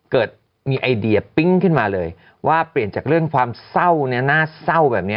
เกิดมีไอเดียปิ๊งขึ้นมาเลยว่าเปลี่ยนจากเรื่องความเศร้าเนี่ยน่าเศร้าแบบนี้